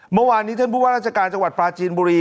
เมื่อวานนี้ท่านผู้ว่าราชการจังหวัดปลาจีนบุรี